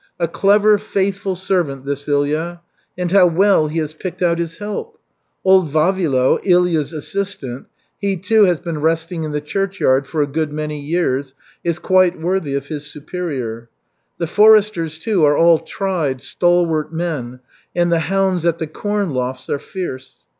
A clever, faithful servant this Ilya. And how well he has picked out his help! Old Vavilo, Ilya's assistant he too has been resting in the churchyard for a good many years is quite worthy of his superior. The foresters, too, are all tried, stalwart men, and the hounds at the corn lofts are fierce.